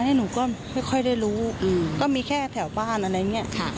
อันนี้หนูก็ไม่ค่อยได้รู้ก็มีแค่แถวบ้านอะไรเนี่ย